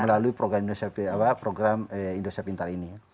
melalui program indonesia pintar ini